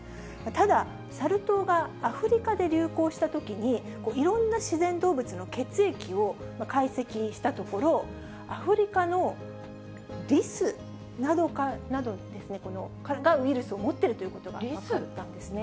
ただ、サル痘がアフリカで流行したときに、いろんな自然動物の血液を解析したところ、アフリカのリスなどですね、ウイルスを持っているということリスなんですね。